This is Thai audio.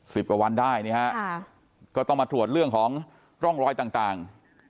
สิบกว่าวันได้นี่ฮะค่ะก็ต้องมาตรวจเรื่องของร่องรอยต่างต่าง